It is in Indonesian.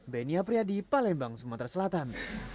benia priadi palembang sumatera selatan